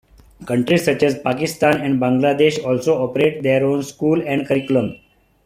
Countries such as Pakistan and Bangladesh also operate their own schools and curriculum.